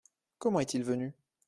Comment est-il venu ?